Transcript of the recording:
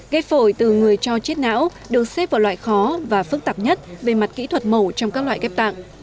ghép phổi từ người cho chết não được xếp vào loại khó và phức tạp nhất về mặt kỹ thuật mổ trong các loại ghép tạng